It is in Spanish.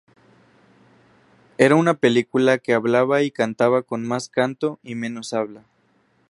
Era una película que hablaba y cantaba con más canto y menos habla.